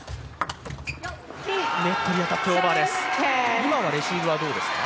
今はレシーブはどうですか？